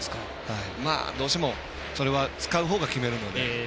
どうしても、それは使う方が決めるので。